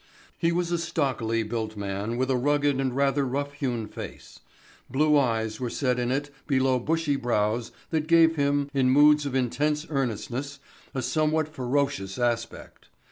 He was a stockily built man with a rugged and rather rough hewn face. Blue eyes were set in it below bushy brows that gave him, in moods of intense earnestness, a somewhat ferocious aspect.